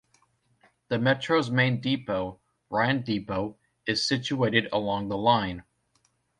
The metro's main depot, Ryen Depot, is situated along the line.